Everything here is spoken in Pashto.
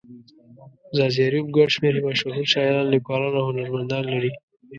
ځاځي اريوب گڼ شمېر مشهور شاعران، ليکوالان او هنرمندان لري.